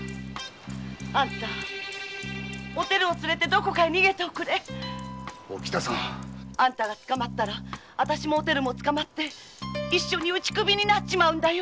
あんたおてるを連れてどこかへ逃げておくれ！あんたが捕まれば私とおてるも捕まって一緒に打ち首だよ！